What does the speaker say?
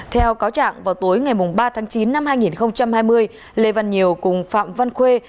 theo cáo trạng vào tối ngày ba tháng chín năm hai nghìn hai mươi lê văn nhiều cùng phạm văn khuê